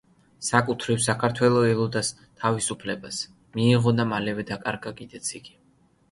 საკუთრივ საქართველო ელოდა თავისუფლებას, მიიღო და მალევე დაკარგა კიდეც იგი.